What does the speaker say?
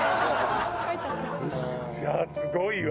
いやあすごいわ。